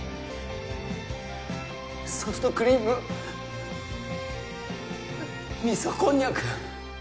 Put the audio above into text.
ソフトクリーム味噌こんにゃく